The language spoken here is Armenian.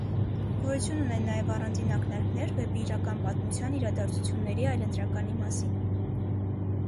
Գոյություն ունեն նաև առանձին ակնարկներ վեպի իրական պատմության իրադարձությունների այլընտրականի մասին։